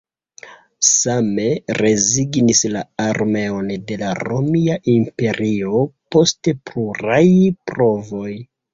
Same rezignis la armeo de la Romia Imperio post pluraj provoj.